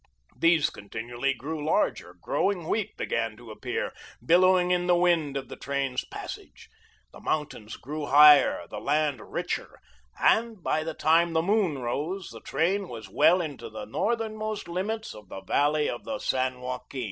These continually grew larger; growing wheat began to appear, billowing in the wind of the train's passage. The mountains grew higher, the land richer, and by the time the moon rose, the train was well into the northernmost limits of the valley of the San Joaquin.